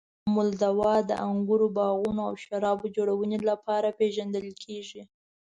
مولدوا د انګورو باغونو او شرابو جوړونې لپاره پېژندل کیږي.